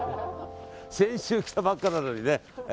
先週来たばっかなのにね。